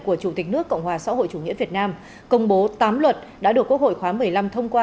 của chủ tịch nước cộng hòa xã hội chủ nghĩa việt nam công bố tám luật đã được quốc hội khóa một mươi năm thông qua